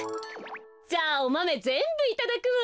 じゃあおマメぜんぶいただくわ。